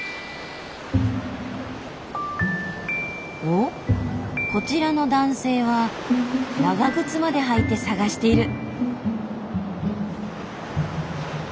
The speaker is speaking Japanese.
おっこちらの男性は長靴まで履いて探している。